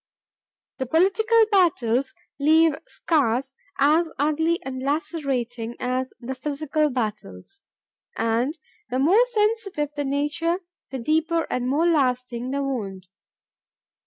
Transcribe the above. The political battles leave scars as ugly and lacerating as the physical battles, and the more sensitive the nature the deeper and more lasting the wound.